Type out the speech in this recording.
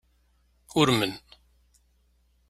Urmen.